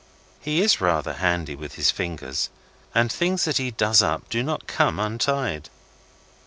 He is rather handy with his fingers, and things that he does up do not come untied.